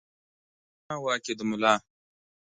ږېره زما واک ېې د ملا